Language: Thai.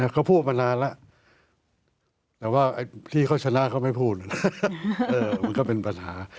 เขาพูดมานานแล้วแต่ว่าไอ้ที่เขาชนะเขาไม่พูดมันก็เป็นปัญหา